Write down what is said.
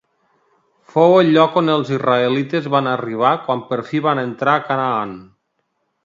Fou el lloc on els israelites van arribar quan per fi van entrar a Canaan.